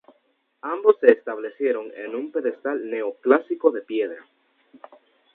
Ambos se establecieron en un pedestal neoclásico de piedra.